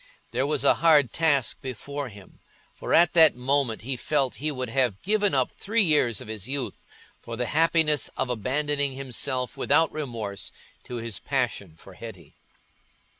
There was a hard task before him, for at that moment he felt he would have given up three years of his youth for the happiness of abandoning himself without remorse to his passion for Hetty.